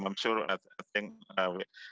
saya pikir ada masalah